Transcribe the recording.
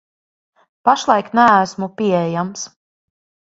Pašlaik neesmu pieejams.